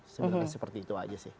sebenarnya seperti itu aja sih